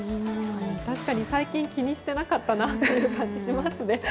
確かに最近気にしてなかったという感じがしますね。